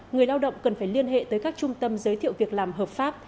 người lao động cần phải liên hệ tới các trung tâm giới thiệu việc làm hợp pháp